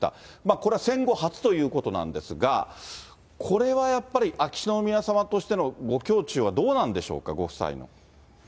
これは戦後初ということなんですが、これはやっぱり、秋篠宮さまとしてのご胸中はどうなんでしょうか、ご夫妻の。